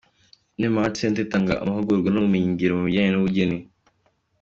Inema Art Center itanga n’amahugurwa n’ubumenyingiro mu bijyanye n’ubugeni.